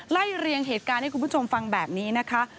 เรียงเหตุการณ์ให้คุณผู้ชมฟังแบบนี้นะคะ